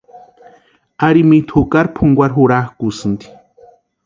Ari mitʼu jukari pʼunkwarhi jurakʼusïnti.